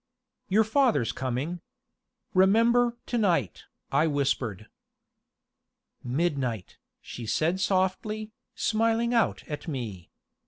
"Your father's coming. Remember to night," I whispered. "Midnight," she said softly, smiling out at me.